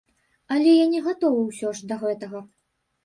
Але я не гатовы ўсё ж да гэтага.